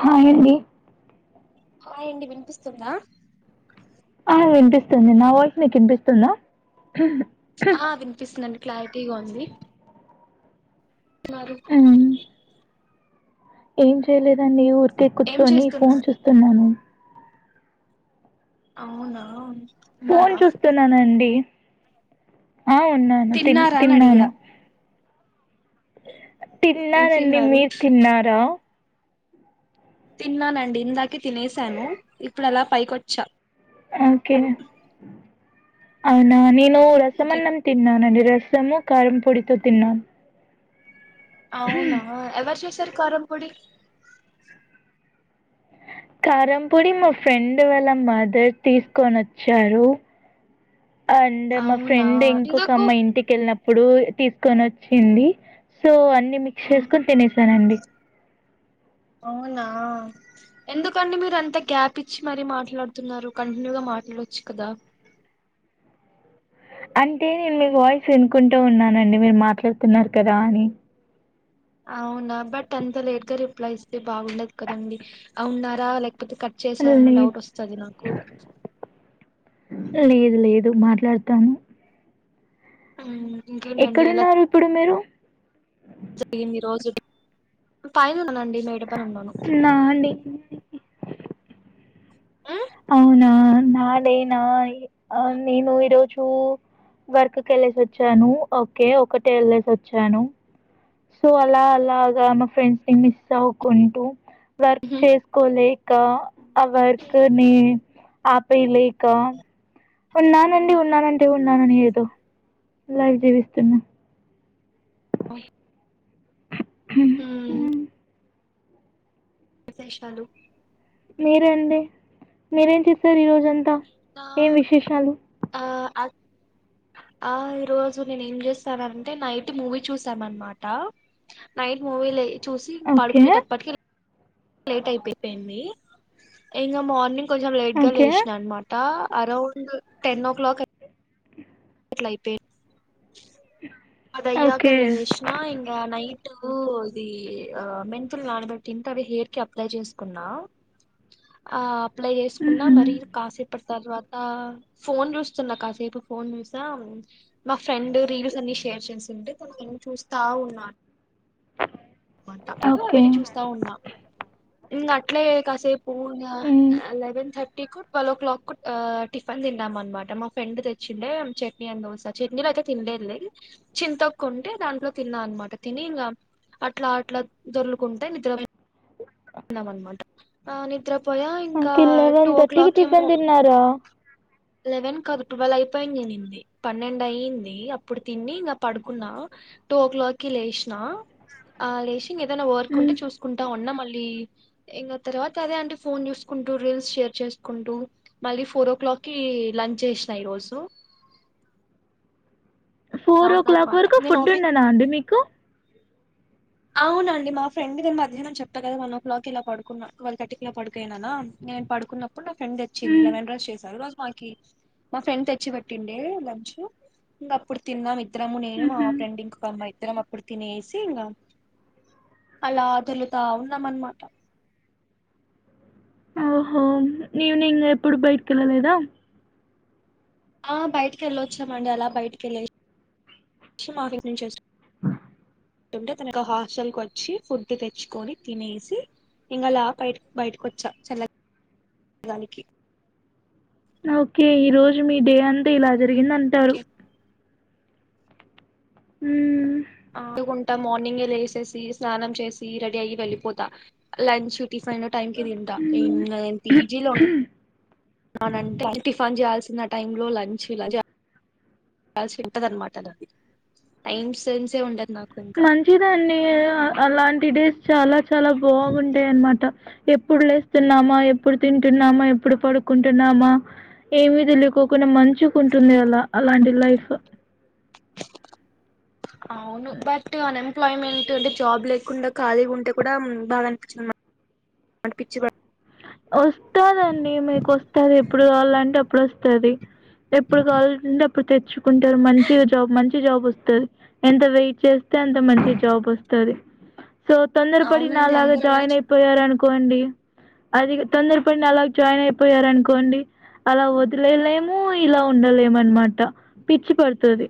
హాయి అండి హాయి అండి వినిపిస్తుందా ఆ వినిపిస్తుంది నా వాయిస్ నీకు వినిపిస్తుందా ఆ వినిపిస్తుందండి క్లారిటీగా ఉంది మారు మ్మ్. ఏం చేయలేదండి ఊరికే ఏం కూర్చుని ఫోన్ చేస్తున్నారు చూస్తున్నాను అవునా ఫోన్ తిన్నారా చూస్తున్నానండి ఆ ఉన్నాను తి తిన్నారా అని అడిగా తిన్నాను ఏం తిన్నానండి తిన్నారు మీరు తిన్నారా తిన్నానండి ఇందాకే తినేసాను ఇప్పుడు అలా పైకొచ్చా ఓకే అవునా నేను ఇంకే రసమన్నమ్ తిన్నా నండి రసము కారం పొడితో తిన్నాను అవునా ఎవరు చేసారు కారంపొడి కారంపొడి మా ఫ్రెండ్ వాళ్ళ మదర్ తీసుకొని వచ్చారు అండే మా అవునా ఫ్రెండ్ ఇంకొక ఎందుకు అమ్మాయి ఇంటి కెళ్ళినప్పుడు ఇప్పుడు తీసుకొని వచ్చింది సో అన్ని మిక్స్ ఉమ్, చేసుకొని తినేసానండి [inaudible] అవునా ఎందుకండి మీరు అంత గ్యాప్ ఇచ్చి మరీ మాట్లాడుతున్నారు కంటిన్యూగా మాట్లాడు వచ్చు కదా [inaudible] అంటే నేను మీ వాయిస్ వినుకుంటూ ఉన్నానండి మీరు మాట్లాడుతున్నారు కదా అని అవునా బట్ అంత లేట్ గా రిప్లై ఇస్తే బాగుండదు కదండి అవున్నారా లైక్ లేకపోతే కట్ చేసారనే లే డౌట్ వస్తది నాకు లేదు లేదు మాట్లాడతాను ఉమ్ ఎక్కడున్నారు ఇప్పుడు మీరు జరిగింది రోజు పైన ఉన్నానండి మేడ పైన ఉన్నాను నాండి అవునా నాలేనాయి నేను ఈరోజు ఉమ్ వర్క్ కెళ్ళేసి వచ్చాను ఓకే ఒకటే యెళ్ళేసి వచ్చాను సో అలా అలాగా మా ఫ్రెండ్స్ ని మిస్ అవుకుంటూ వర్క్ చేసుకోలే క ఆ వర్క్ ని ఆపేయలేక ఉన్నానండి ఉన్నానంటే ఉన్నానని ఏదో లైవ్ జీవిస్తున్నా [inaudible] ఉమ్ మ్మ్. విశేషాలు మీరండి మీరేం చేసారు ఈరోజంతా ఏం విశేషాలు అల్ ఆ ఈరోజు నేను ఏం చేస్తానంటే నైట్ మూవీ చూసానన్నమాట నైట్ మూవీలే చూసి ఇంగ ఓకే పడుకునేటప్పటికి లేట్ అయిపోయింది ఇంగ మార్నింగ్ కొంచెం లేట్ గా ఓకే లేసినా అన్నమాట అరౌండ్ టెన్ ఓ క్లాక్ అ ట్ల అయిపోంద్ అది అయ్యాక ఓకే లేషిన ఇంగ నై టు ఇది ఆ మెంతులు నానబెట్టి ఇంతనే హెయిర్ కి అప్లై చేసుకున్నా ఆ అప్లై చేసుకున్నా మ్మ్హ్మ్. మరి కాసేపటి తర్వాత ఫోన్ చూస్తున్నా కాసేపు ఫోన్ చూ మా ఫ్రెండ్ రీల్స్ అన్ని షేర్ చేసే తను నేను చూస్తా ఉన్నా దో ఓకే అవన్నీ చూస్తా ఉన్నా ఇంక అట్లే కాసేపు మ్మ్. [unintelligible] Eleven thirty twelve o'clock tiffin తిన్నాం అనమాట మా ఫ్రెండ్ తెచ్చిండే చట్నీ అండ్ దోస చట్నీలో అయితే తిండేళ చింతోకుంటే దాంట్లో తిన్నా అనమాట తిని ఇంకా అట్లా అట్లా దొర్లుకుంటే నిద్రపోయిన తిన్నామనమాట నిద్రపోయా ఇంకా ఓకే టూ లెవెన్ ఓ థర్టీకి క్లాక్ ఏమో టిఫిన్ తిన్నారా లెవెన్ కాదు ట్వెల్వ్ అయిపోయింది నే ఇంది పన్నెండు అయింది అప్పుడు తిని ఇంకా పడుకున్నా టూ ఓ క్లాక్ కి లేచిన ఆ లేచి ఇంక ఏదైనా వర్క్ మ్మ్. ఉంటే చూసుకుంటా ఉన్నా మళ్ళీ ఈ తర్వాత అదే అంట ఫోన్ చూసుకుంటూ రీల్స్ షేర్ చేసుంటూ మళ్ళ ఫోర్ ఓ క్లాక్ కి లంచ్ చేసినా ఈ రోజు ఇలా ఫోర్ ఓ క్లాక్ ఉందనమాట వరకు నేను ఫుడ్ ఆఫీస్ ఉండేనా అండి మీకు అవునండీ మా ఫ్రెండ్దే మధ్యా చెప్తా కదా వన్ ఓ క్లాక్ ఇలా పడుకున్నా ట్వెల్వ్ థర్టీ కి ఇలా పడుకయినానా నేను పడుకున్నప్పుడు నా ఫ్రెండ్ వచ్చింది మ్మ్. లెమన్ రైస్ చేశారా మాకి మా ఫ్రెండ్ తెచ్చిపట్టిండ లంచ్ ఇంక అప్పుడు తిన్నాం ఇద్దరము నేను మా ఉహు ఫ్రెండ్ ఇంకోక అమ్మాయి ఇద్దరం అప్పుడు తినేసి ఇంకా అలా తిరుగుతా ఉన్నాం అన్నమాట ఓహో ఈవినింగ్ ఎప్పుడు బయటికి వెళ్ళలేదా ఆ బయటికి వెళ్ళ వచ్చామండి అలా బయటికి వెళ్ళ [unintelligible] ఆ అంటే తన హాస్టల్ క వచ్చి ఫుడ్ తెచ్చుకొని తినేసి ఇంగలా బ బయటకొచ్చా చల్లనీ గాలి కి ఓకే ఈ రోజు మీ డే అంతా ఇలా జరిగింద అంటారు ఇంకేం ఉమ్ అడుకుంటా మార్నింగే లేసేసి స్నానం చేసి రెడీ అయి వెళ్ళిపోతా లంచ్ టిఫైన్ టైంకి తింటా ఇంగ పీజీలో అనంటే టిఫాన్ చేయాల్సిన టైమ్ లో లంచ్ కాల్సి ఉంటది అనమాట అది టైమ్ సెన్సే ఉండదు నాకు ఇంకా మంచిదండి అలాంటి డేస్ చాలా చాలా బాగుంటాయ అన్నమాట ఎప్పుడు లేస్తున్నామా ఎప్పుడు తింటున్నామా ఎప్పుడు పడుకుంటున్నామా ఏమి తెలుకోకుండా మంచిగుంటుంది అల అలాంటి లైఫ్ అవును బట్ అన్ఎంప్లాయ్మెంట్ అంటే జాబ్ లేకుండా ఖాళీ ఉంటే కూడా బాగా అనిపిస్తుంది అని పిచ్చి బడా వస్తాదండి మీకు వస్తది ఎప్పుడు కావాలంటే అప్పుడు వస్తది ఎప్పుడు కావాల్సి ఉంటే అప్పుడు తెచ్చుకుంటారు మంచిగా జాబ్ మంచి జాబ్ వస్తది ఎంత వెయిట్ చేస్తే అంత మంచి జాబ్ వస్తది తో తొందరపడి అవునండి నాలాగా అందరు అలా జాయిన్ అయిపోయారు అనుకోండి అది తొందరపడి నాలాగ జాయిన్ అయిపోయారునుకోండి అలా వదిలేలేము ఇలా ఉండలేము అనమాట పిచ్చి పడుతది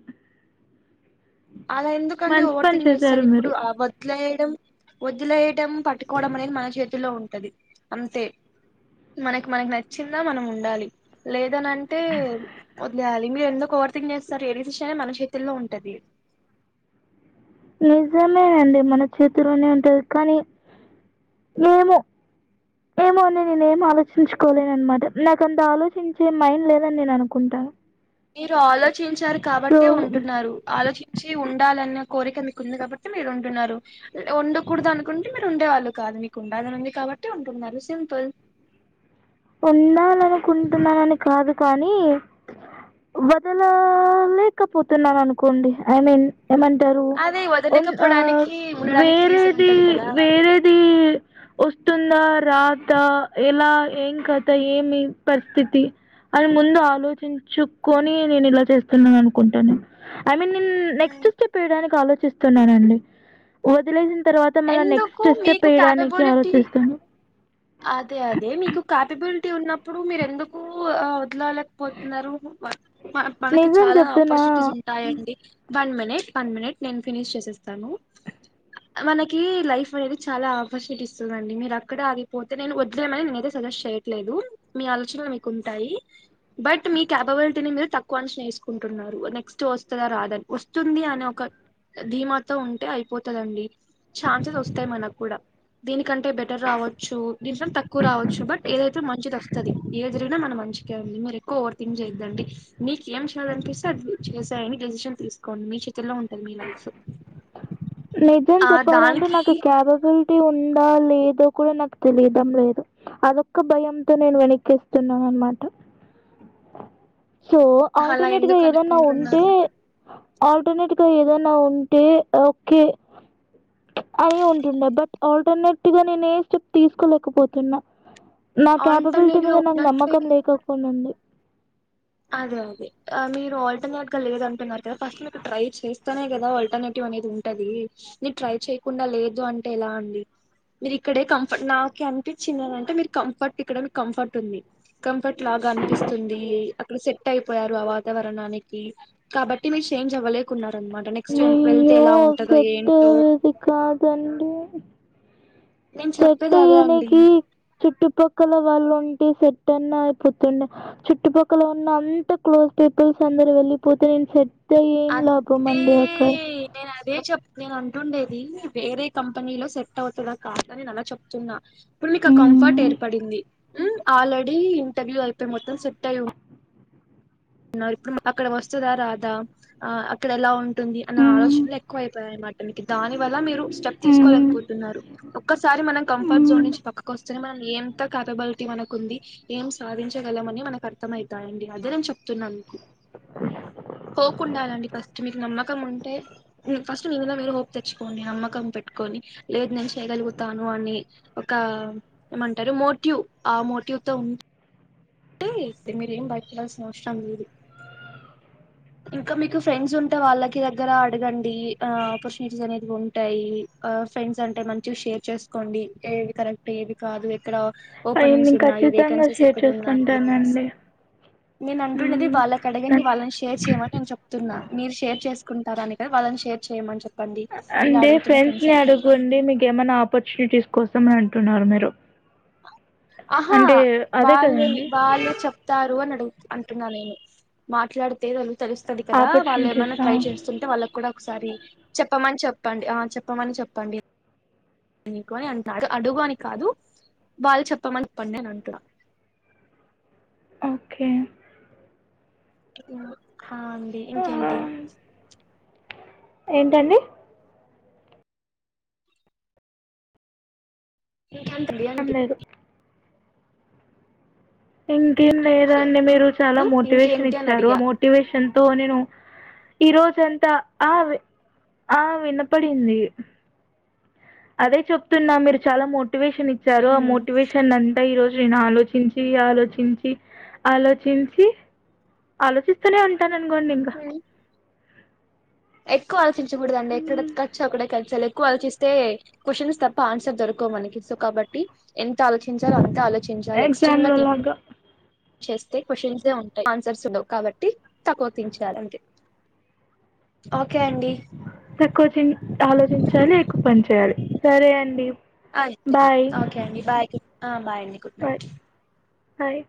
అలా ఎందుకండి మంచి ఓవర్ పని థింక్ చేస్తారు చేశారు ఇప్పుడు మీరు ఆ వద్లే వదిలేయడం పట్టుకోవడం అనేది మన చేతుల్లో ఉంటది అంతే మనకి మనకి నచ్చిందా మనం ఉండాలి లేదని అంటే వదిలేయాలి మీరు ఎందుకో ఓవర్ థింక్ చేస్తారు ఏ డెసిషన్ మన చేతుల్లో ఉంటది నిజమే అండి మన చేతిలోనే ఉంటది కానీ ఏమో? ఏమో అని నేనేం ఆలోచించుకోలేనన్మాట నాకంత ఆలోచించే మైండ్ లేదని నేను అనుకుంటాను. మీరు ఆలోచించారు కాబట్టే ఉంటున్నారు ఆలోచిచ్చి ఉండాలన్నె కోరిక మీకు ఉంది కాబట్టి మీరు ఉంటున్నారు ఉండకూడదు అనుకుంటే మీరు ఉండేవాళ్ళు కాదు మీకు ఉండాలని ఉంది కాబట్ కాబట్టి ఉంటున్నారు సింపుల్ ఉండాలనుకుంటున్నానని కాదు కానీ వదలలేకపోతున్నాను అనుకోండి ఐ మీన్ ఏమంటారు అదే ఉన్ ఆ వదలకపోవడానికి ఉండడానికి రీజన్ వేరేది ఉంటది కదా వేరేది వస్తుందా రాతా ఎలా ఏం కథ ఏమి పరిస్థితి అని ముందు ఆలోచించుకొని నేను ఇలా చేస్తున్నాను కుంటాను ఐమీన్ న్ నెక్స్ట్ స్టెప్ వేయడానికి ఆలోచిస్తున్నానండి వదిలేసిన్ తర్వాత మళ్ళా నెక్స్ట్ ఎందుకు స్టెప్ మీకు వెయ్యడానికి క్యాపబిలిటీ ఆలోచిస్తాను అదే అదే మీకు క్యాపబిలిటీ ఉన్నప్పుడు మీరు ఎందుకు ఆ వెల్లలేకపోతున్నారు మన్ మనకి మనకి నిజం చాలా చెప్తున్నా ఆపర్చునిటీస్ ఉంటాయండి వన్ మినిట్ వన్ మినిట్ నేను ఫినీష్ చేసేస్తాను మనకి లైఫ్ అనేది చాలా ఆపర్చునిటీస్ ఇస్తుందండి మీరు అక్కడే ఆగి పోతే నేను వద్లేయమని నేనైతే సజెస్ట్ చేయట్లేదు మీ ఆలోచనలు మీకు ఉంటాయి బట్ మీ కాపబిలిటీని మీర్ తక్కువ అంచనా ఏసుకుంటున్నారు నెక్స్ట్ వస్తదా రాదని వస్తుంది అనే ఒక ధీమాతో ఉంటే అయిపోతదండి ఛాన్సెస్ వస్తాయి మనక్కూడా దీనికంటే బెటర్ రావ చ్చు దీనికన్నా తక్కువ రావచ్చు బట్ ఏదైతే మంచిది వస్తది ఏది జరిగినా మన మంచికే అండి మరి ఎక్కువ ఓవర్ థింక్ చేద్దండి మీక ఏం చేయాలనిపిస్తే అది చేసేయండి డెసిషన్ తీసుకోండి మీ చేతుల్లో ఉంటది మీ లైఫ్ నిజం ఆ చెప్పాలంటే దానికి నాకు కేపబిలిటీ ఉం దా లేదో కూడా నాకు తెలియటం లేదు అదొక్క భయంతో నేను వెనక్కేస్తున్నాన్ అన్మాట సో అలా ఆల్టర్నేట్గా ఎందుకు ఏదన్నా ఉంటే అనుకుంటున్నారు ఆల్టర్నేట్ గా ఏదైనా ఉంటే ఓక్కే అని ఉంటుండే బట్ ఆల్టర్నేటివ్ గా నేను ఏ స్టెప్ తీసుకోలేకపోతున్నా నా క్యాపబిలిటీ ఆల్టర్నేట్ గా మీద నాకు ఉన్నట్లే నమ్మకం లేకోకుండా ఉంది అదే అదే మీరు ఆల్టర్నేట్ గా లేదంటున్నారు కదా ఫస్ట్ మీరు ట్రై చేస్ చేస్తెనే కదా ఆల్టర్నేటివ్ అనేది ఉంటది నీ ట్రై చేయకుండా లేదు అంటే ఎలా అండి మీరు ఇక్కడే కంఫర్ట్ నాకి అనిపిచ్చింది ఏందంటే మీరు కంఫర్ట్ ఇక్కడ మీకు కంఫర్ట్ ఉంది కంఫర్ట్ లాగా అనిపిస్తుంది అ సెట్ అయిపోయారు ఆ వాతావరణానికి కాబట్టి మీరు షేంజ్ అవ్వలేకున్నా అన్మాట నెక్స్ట్ వెళ్తే అయ్యో! ఎలా ఉంటదో సెట్ ఏంటో? ఇది కాదండి. నేన్ సెట్ చెప్పేది అదే అండి. అయ్యేనికి చుట్టుపక్కల వాళ్ళు ఉంటే సెట్ అన్నా అయిపోతుండే చుట్టుపక్కల ఉన్న అంత క్లోజ్ పిపుల్స్ అందరూ వెళ్లిపోతే ఏం చెప్తే ఏం లాభం ఏ అండి అక్కడ నేను అదే చెప్ నేను అంటున్ అనేది వేరే కంపెనీలో సెట్ అవుతదా కాదా నేనదే చెప్తున్నా ఇప్పుడు మీకు ఆ కంఫర్ట్ ఏర్పడింది ఉమ్ ఆల్రెడీ ఇంటర్వ్యూ అయితే మొత్తం సెట్ అయి ఉం ఇప్పుడు అక్కడ వస్తదా రాదా ఆ అక్కడ ఎలా ఉంట్ టుంది అన్న ఆలోచనలు ఎక్కువ అయిపోయాయి అన్మాట మీకి దాని వల్ల మీరు స్టెప్ తీసుకోలేకపోతున్నారు ఒక్కసారి అజిమానేకమ్ ఎఫర్ట్ జోన్ నుంచి పక్కకు వస్తేనే మనం ఎంత క్యాపబిలిటీ మనకు ఉంది, ఏం సాధించగలమని మనకు అర్థమై తాయండి అదే నేను చెప్తున్నా మీకు [inaudible] హోప్ ఉండాలండి ఫస్ట్ మీకు నమ్మకం ఉంటే ఉ ఫస్ట్ మీ మీద మీరు హోప్ తెచ్చుకోండి నమ్మకం పెట్టుకో డి లేదు నేను చేయగలుగుతాను అని ఒక ఏమంటారు మోటివ్ ఆ మోటివ్తో అవ్ తే మీరేం భయపడాల్సిన అవసరం లేదు [inaudible] ఇంకా మీకు ఫ్రెండ్స్ ఉంటే వాళ్ళకి దగ్గర అడగండి ఆ ఆపర్చునిటీస్ అనేవి ఉంటాయి ఆ ఫ్రెండ్స్ అంటే మంచిగా షేర్ చేసుకోండి ఏది కరెక్ట్ ఏది కాదు ఎక్కడ అయ్యో ఓపెనింగ్స్ నేను ఉన్నాయి ఖచ్చితంగా వేకెన్సీస్ షేర్ ఎక్కడ ఉన్నాయి అనేసి చేసుకుంటానండి. నేను అంటున్నది వాళ్ళకి అడగండి నాకు వాళ్ళని షేర్ చేయమని నేను చెప్తున్నా మీరు షేర్ చేసుకుంటారాని కాదు వాళ్ళని షేర్ చేయమని చెప్ ఆ అంటే ఫ్రెండ్స్ ని అడుగుండి మీకు ఏమైనా ఆపర్చునిటీస్ కోసం అన్ టున్నారు మీరు ఆహా అంటే అదే వాళ్లేని కదండి వాళ్లు చెప్తారు అని అడుగు అంటున్నా నేను మాట్లాడితే వాళ్ళు తెలుస్తుంది కదా వాళ్ళు ఏమైనా ఆపర్చునిటీసా ట్రై చేస్తుంటే వాళ్ళకు కూడా ఒకసారి చెప్పమని చెప్పండి ఆ చెప్పమని చెప్పండి నీకు అని అంటున్నా అడుగు అని కాదు వాళ్ళు చెప్పమని చెప్పండి అని అంటున్నా. [inaudible] ఓకే హా అండి ఇంకేంటి ఏంటండి ఇంకేంటండి ఏం అంటి లేదు ఇంకేం హలో లేదండి మీరు చాలా మోటివేషన్ ఇంకేంటి అని ఇచ్చారు, ఆ అడిగా మోటివేషన్ తో నేను ఈ రోజంతా ఆ వి ఆ వినపడింది అదే చెప్తున్నా మీరు చాలా మోటివేషన్ ఇచ్చారు ఆ మోటివేషన్ అన్ ఈ రోజు నేను ఆలోచించి ఆలోచించి ఆలోచించి ఆలోచిస్తూనే ఉంటాననుకోండి ఇంకా ఎక్కువ ఆలోచించకూడదండి ఎక్కడ ఖచు అ కచ్చలే క్కువ ఆలోచిస్తే క్వశ్చన్స్ తప్ప ఆన్సర్ దొరకోవు మనకి సో కాబట్టి ఎంత ఆలోచించలో అంతే ఆలో ఎగ్జామ్ ఎక్స్ట్రీమ్గా లో తీ లాగా చేస్తే క్వశ్చన్సె ఉంటాయి ఆన్సర్స్ ఉండవ్ కాబట్టి తక్కువ తీంచలి అంతే. అగ్ తక్కువ చిన్ ఆలోచించాలి ఎక్కువ పని చేయాలి సరే అండి. అ బాయ్ ఓకే ఓకే అండి బాయ్ గు ఆ బాయ్ అండి గుడ్ నైట్. హాయ్